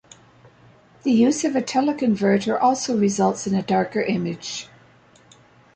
The use of a teleconverter also results in a darker image.